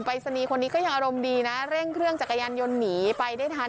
รายศนีย์คนนี้ก็ยังอารมณ์ดีนะเร่งเครื่องจักรยานยนต์หนีไปได้ทัน